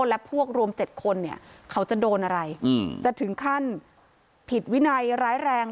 และพวกรวม๗คนเนี่ยเขาจะโดนอะไรจะถึงขั้นผิดวินัยร้ายแรง